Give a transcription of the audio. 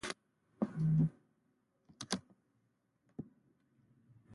زده کوونکي په خپلو ځایونو کې ورو ورو حرکت وکړي.